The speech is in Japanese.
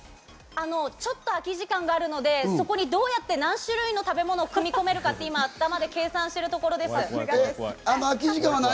ちょっと空き時間があるので、何種類の食べ物が組み込めるか、頭の中で計算しているところです。